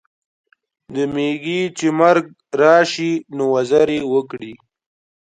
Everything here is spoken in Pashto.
د میږي چي مرګ راسي نو، وزري وکړي.